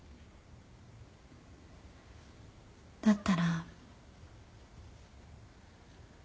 だったら。